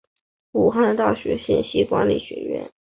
武汉大学信息管理学院